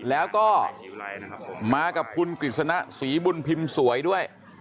แล้วก็มากับคุณกุ้งกุ้งพลอยสีบุญพิมพ์สวยด้วย